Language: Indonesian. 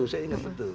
saya ingat betul